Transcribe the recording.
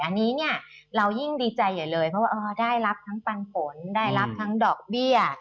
อันนี้เนี่ยเรายิ่งดีใจใหญ่เลยเพราะว่าได้รับทั้งปันผลได้รับทั้งดอกเบี้ย